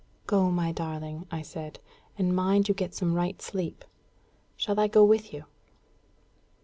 "Go, my darling," I said; "and mind you get some right sleep. Shall I go with you?"